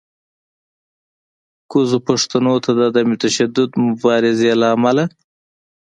کوزو پښتنو ته د عدم تشدد مبارزې له امله